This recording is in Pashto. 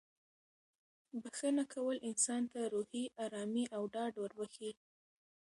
بښنه کول انسان ته روحي ارامي او ډاډ وربښي.